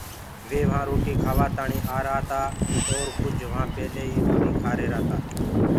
وي وهآنٚ روٽي کآوآ تآڻي آهيرآ تآ اور ڪُج وهآنٚ پيلي ئي روٽي کآرهيرآ تآ۔